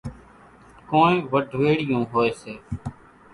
ڪونئين وڍويڙِيئون هوئيَ سي۔